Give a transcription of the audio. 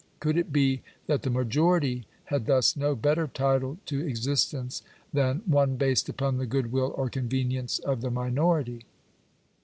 Could it be that the majority had thus no better title to exist ence than one based upon the good will or convenience of the minority